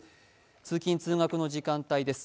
通勤・通学の時間帯です。